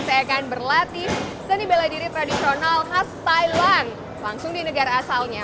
saya akan berlatih seni bela diri tradisional khas thailand langsung di negara asalnya